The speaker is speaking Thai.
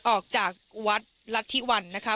ออกจากวัดรัฐธิวันนะคะ